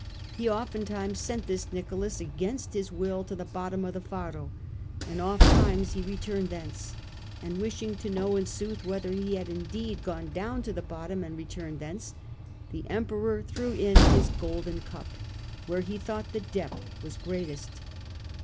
" He oft times sent this Nicholas against his will to the bottom of the Faro, and oft times he returned thence ; and wishing to know in sooth whether he had indeed gone down to the bottom and returned thence, the Emperor threw in his golden cup where he thought the depth was greatest.